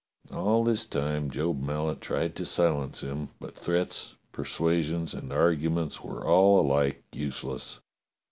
All this time Job Mallet tried to silence him, but threats, persuasions, and arguments were all alike use less.